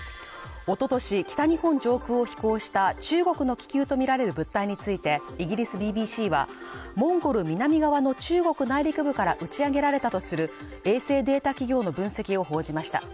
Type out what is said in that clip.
おととし、北日本上空を飛行した中国の気球とみられる物体について、イギリスＢＢＣはモンゴル南側の中国内陸部から打ち上げられたとする衛星データ企業の分析を報じました。